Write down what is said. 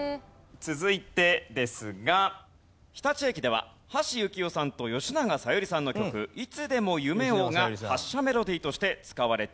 続いてですが日立駅では橋幸夫さんと吉永小百合さんの曲『いつでも夢を』が発車メロディーとして使われています。